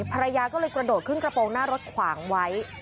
ภรรยาก็เลยกระโดดขึ้นกระโปรงหน้ารถขวางไว้